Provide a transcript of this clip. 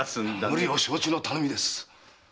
無理を承知の頼みです。